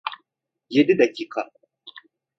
Yedi dakika.